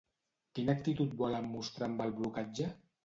Quina actitud volen mostrar amb el blocatge?